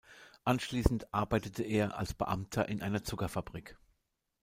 Anschließend arbeitete er als Beamter in einer Zuckerfabrik.